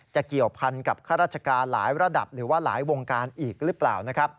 จะเกี่ยวพันกับฆาตราชาการหลายระดับหรือว่าหลายวงการอีกรึเปล่า